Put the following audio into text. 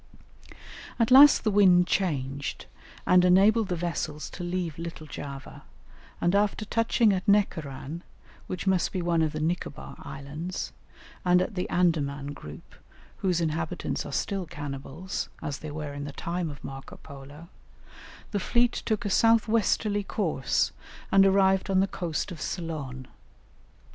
At last the wind changed, and enabled the vessels to leave Little Java, and after touching at Necaran, which must be one of the Nicobar Islands, and at the Andaman group, whose inhabitants are still cannibals, as they were in the time of Marco Polo, the fleet took a south westerly course and arrived on the coast of Ceylon.